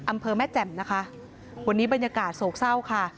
อำเภอแม่แจ่มนะคะวันนี้บรรยากาศโศกเศร้าค่ะ